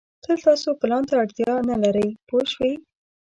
تل تاسو پلان ته اړتیا نه لرئ پوه شوې!.